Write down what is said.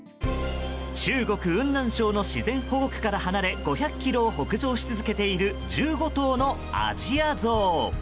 中国・雲南省の自然保護区から離れ５００ｋｍを北上し続けている１５頭のアジアゾウ。